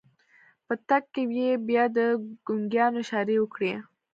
په تګ کې يې بيا د ګونګيانو اشارې وکړې.